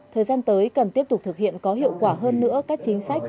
thời gian tới cần tiếp tục thực hiện có hiệu quả hơn nữa các chính sách